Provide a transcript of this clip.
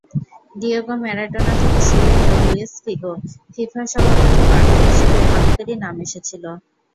Diego Maradona থেকে শুরু করে লুইস ফিগো—ফিফা সভাপতি প্রার্থী হিসেবে অনেকেরই নাম এসেছিল।